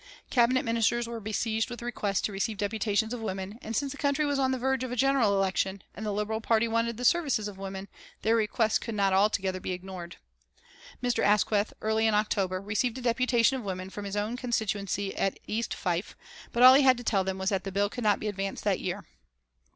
Cabinet Ministers were besieged with requests to receive deputations of women, and since the country was on the verge of a general election, and the Liberal Party wanted the services of women, their requests could not altogether be ignored. Mr. Asquith, early in October, received a deputation of women from his own constituency of East Fife, but all he had to tell them was that the bill could not be advanced that year.